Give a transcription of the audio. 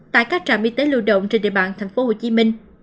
tại các trạm y tế lưu động trên địa bàn tp hcm